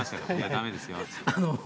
駄目ですよって。